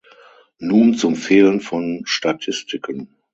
Nun zum Fehlen von Statistiken.